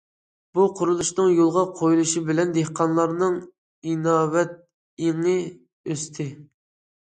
بۇ قۇرۇلۇشنىڭ يولغا قويۇلۇشى بىلەن، دېھقانلارنىڭ ئىناۋەت ئېڭى ئۆستى.